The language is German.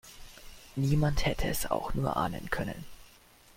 Niemand hätte es auch nur ahnen können.